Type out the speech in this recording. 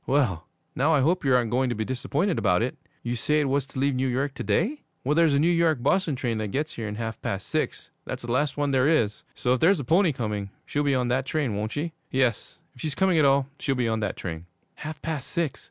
Well, now I hope you aren't going to be disappointed about it! You say it was to leave New York to day? Well, there's a New York Boston train that gets in here at half past six. That's the last one there is. So if there's any pony coming, she'll be on that train, won't she? Yes, if she's coming at all, she'll be on that train.' 'Half past six?